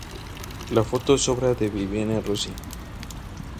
La foto es obra de Viviana Rossi.